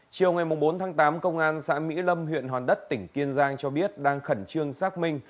chiều ngày bốn tháng tám công an xã mỹ lâm huyện hòn đất tỉnh kiên giang cho biết đang khẩn trương xác minh